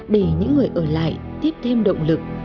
để những người ở lại tiếp thêm động lực